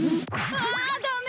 あダメ！